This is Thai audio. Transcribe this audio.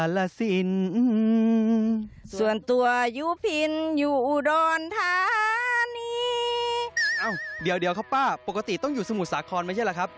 เดี๋ยวเข้าเป้าหมายครับป้าปกติต้องอยู่สมุทรสาครไม่ใช่ล่ะครับ